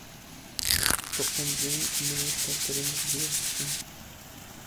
Tu qenciyên ku min li te kirin ji bir dikî.